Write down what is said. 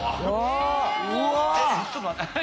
ちょっと待って！